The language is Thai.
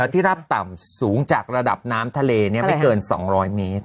ที่รับต่ำสูงจากระดับน้ำทะเลไม่เกิน๒๐๐เมตร